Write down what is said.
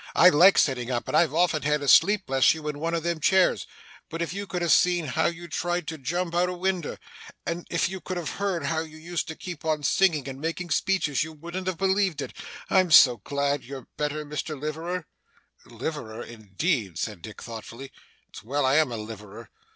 I like sitting up, and I've often had a sleep, bless you, in one of them chairs. But if you could have seen how you tried to jump out o' winder, and if you could have heard how you used to keep on singing and making speeches, you wouldn't have believed it I'm so glad you're better, Mr Liverer.' 'Liverer indeed!' said Dick thoughtfully. 'It's well I am a liverer.